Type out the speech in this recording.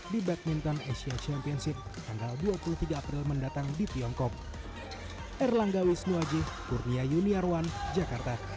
di badminton asia championship tanggal dua puluh tiga april mendatang di tiongkok